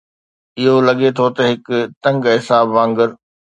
اهو لڳي ٿو ته هڪ تنگ اعصاب وانگر.